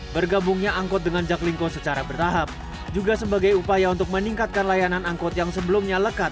bergabungnya angkot dengan jaklingko secara bertahap juga sebagai upaya untuk meningkatkan layanan angkot yang sebelumnya lekat